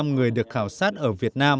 năm mươi người được khảo sát